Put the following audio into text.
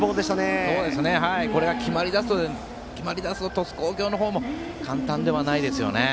これが決まり出すと鳥栖工業の方も簡単ではないですね。